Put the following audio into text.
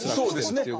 そうですね。